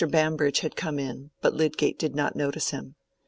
Bambridge had come in, but Lydgate did not notice him.